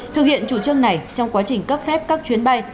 thực hiện chủ trương này trong quá trình cấp phép các chuyến bay